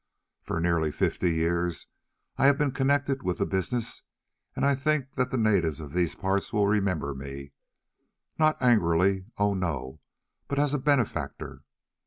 For nearly fifty years I have been connected with the business, and I think that the natives of these parts will remember me—not angrily, oh! no, but as a benefactor.